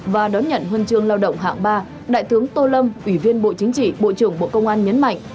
và đón nhận huân chương lao động hạng ba đại tướng tô lâm ủy viên bộ chính trị bộ trưởng bộ công an nhấn mạnh